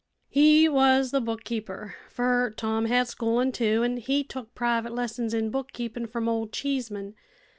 "He was the bookkeeper, fer Tom had schoolin', too; an' he took private lessons in bookkeepin' from ol' Cheeseman.